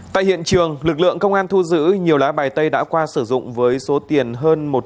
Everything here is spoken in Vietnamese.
tại hiện trường lực lượng công an thu giữ nhiều lá bài tây đã qua sử dụng với số tiền hơn